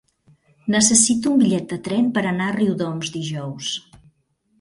Necessito un bitllet de tren per anar a Riudoms dijous.